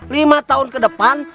lima tahun ke depan